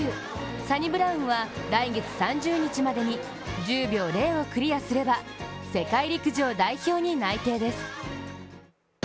サニブラウンは、来月３０日までに１０秒００をクリアすれば世界陸上代表に内定です。